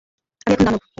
আমি এখন দানব।